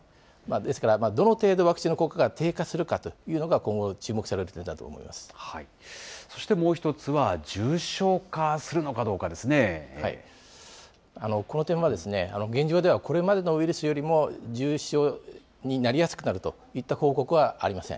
ですから、どの程度ワクチンの効果が低下するかというのが今後のそしてもう１つは、重症化すこの点は、現状ではこれまでのウイルスよりも重症になりやすくなるといった報告はありません。